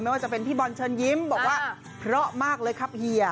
ว่าจะเป็นพี่บอลเชิญยิ้มบอกว่าเพราะมากเลยครับเฮีย